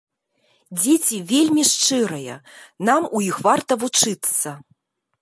Дзеці вельмі шчырыя, нам у іх варта вучыцца.